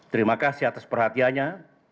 terima kasih atas perhatianya